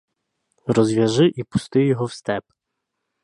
Розв'яжи і пусти його в степ.